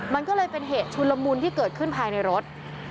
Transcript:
มันก็เลยเป็นเหตุชุนละมุนที่เกิดขึ้นภายในรถ